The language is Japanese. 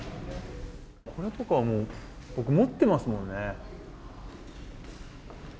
これとかはもう持ってますよね。